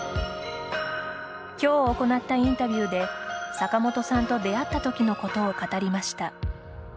今日行ったインタビューで坂本さんと出会った時のことを語りました。